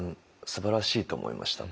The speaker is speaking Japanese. すばらしいと思いました。